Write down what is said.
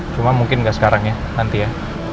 cuma mungkin nggak sekarang ya nanti ya